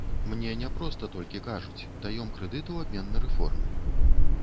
Мне не проста толькі кажуць, даём крэдыт у абмен на рэформы.